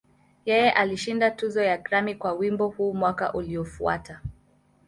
Yeye alishinda tuzo ya Grammy kwa wimbo huu mwaka uliofuata.